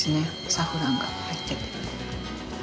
サフランが入ってて。